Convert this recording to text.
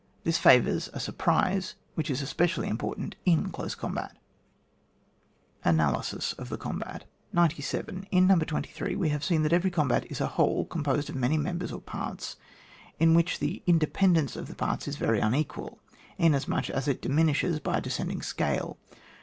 This favours a surprise, which is espedally im portant in dose combat Analysis of the Combat. 97. In No. 23 we have seen that every combat is a whole, composed of many members or parts, in which the inde pendence of the parts is veiy unequal, inasmuch as it diminishes by a descend ing scale.